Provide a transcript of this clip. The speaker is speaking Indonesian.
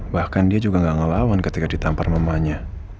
bahkan dia juga gak ngelawan ketika ditampar mamanya